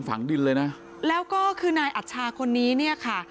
ฝังดินเลยนะแล้วก็คือนายอัชชาคนนี้เนี่ยค่ะ